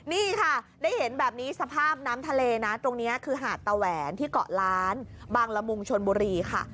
นี่ค่ะได้เห็นแบบนี้สภาพน้ำทะเลนะตรงนี้คือหาดตะแหวนที่เกาะล้านบางละมุงชนบุรีค่ะ